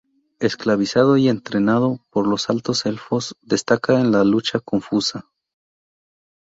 Esclavizado y entrenado por los Altos Elfos, destaca en la lucha confusa.